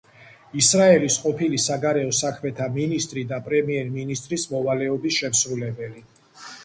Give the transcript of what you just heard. ისრაელის ყოფილი საგარეო საქმეთა მინისტრი და პრემიერ-მინისტრის მოვალეობის შემსრულებელი.